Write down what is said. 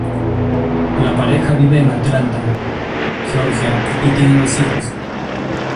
La pareja vive en Atlanta, Georgia, y tiene dos hijos.